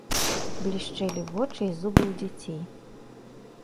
Блішчэлі вочы і зубы ў дзяцей.